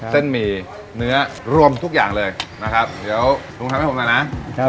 หมี่เนื้อรวมทุกอย่างเลยนะครับเดี๋ยวลุงทำให้ผมหน่อยนะครับ